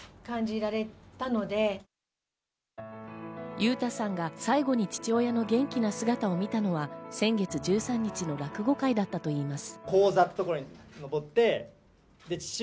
裕太さんが最後に父親の元気な姿を見たのは先月１３日の落語会だったといいます。